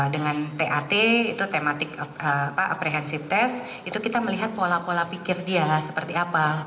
dengan tat itu tematik apprehensive test itu kita melihat pola pola pikir dia seperti apa